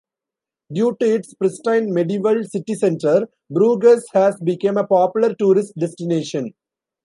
Due to its pristine medieval city centre, Bruges has become a popular tourist destination.